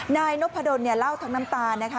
นายนพดลเล่าทั้งน้ำตานะคะ